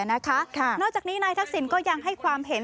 นอกจากนี้นายทักษิณก็ยังให้ความเห็น